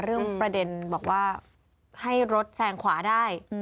เรื่องประเด็นบอกว่าให้รถแซงขวาได้